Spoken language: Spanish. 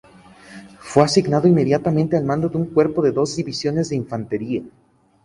Fue asignado inmediatamente al mando de un cuerpo de dos divisiones de infantería.